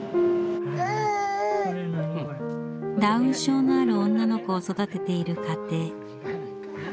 ダウン症のある女の子を育てている家庭。